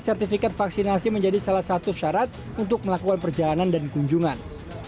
sertifikat vaksinasi menjadi salah satu syarat untuk melakukan perjalanan dan kunjungan